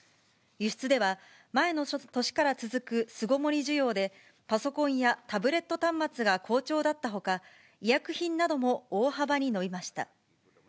輸出では、前の年から続く巣ごもり需要で、パソコンやタブレット端末が好調だったほか、医薬品なども大幅に伸びました。